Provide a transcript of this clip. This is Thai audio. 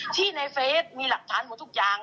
ที่ในเฟสมีหลักฐานหมดทุกอย่าง